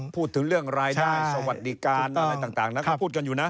พูดถึงเรื่องรายได้สวัสดิการอะไรต่างนะเขาพูดกันอยู่นะ